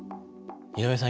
井上さん